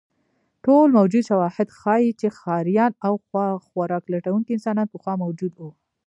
ټول موجود شواهد ښیي، چې ښکاریان او خوراک لټونکي انسانان پخوا موجود وو.